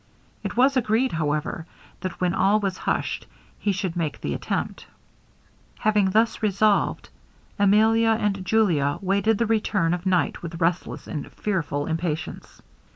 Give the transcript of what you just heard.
It was agreed, however, that when all was hushed, he should make the attempt. Having thus resolved, Emilia and Julia waited the return of night with restless and fearful impatience.